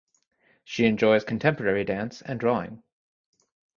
She enjoys contemporary dance and drawing.